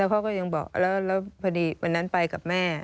แล้วเขาก็พอดีวันนั้นไปกับแม่